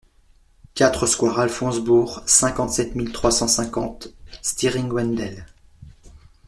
quatre square Alphonse Bourg, cinquante-sept mille trois cent cinquante Stiring-Wendel